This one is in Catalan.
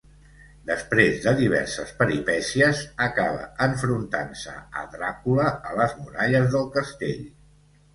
Després de diverses peripècies, acaba enfrontant-se a Dràcula a les muralles del castell.